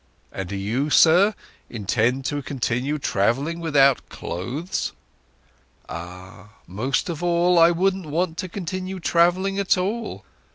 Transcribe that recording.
"And do you, sir, intent to continue travelling without clothes?" "Ah, most of all I wouldn't want to continue travelling at all.